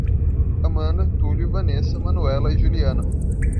Amanda, Tulio, Vanessa, Manoela e Juliano